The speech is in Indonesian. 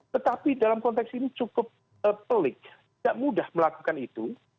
tetapi dalam konteks ini cukup pelik tidak mudah melakukan itu